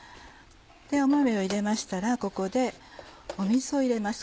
豆を入れましたらここで水を入れます。